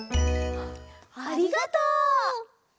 ありがとう！